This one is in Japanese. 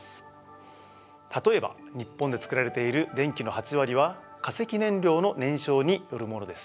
例えば日本で作られている電気の８割は化石燃料の燃焼によるものです。